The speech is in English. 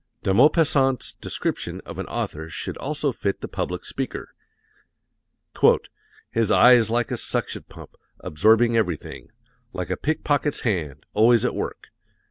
De Maupassant's description of an author should also fit the public speaker: "His eye is like a suction pump, absorbing everything; like a pickpocket's hand, always at work.